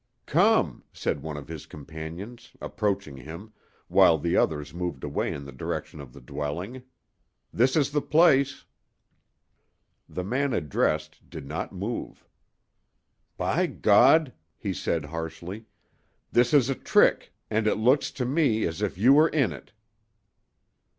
"Come," said one of his companions, approaching him, while the others moved away in the direction of the dwelling—"this is the place." The man addressed did not move. "By God!" he said harshly, "this is a trick, and it looks to me as if you were in it."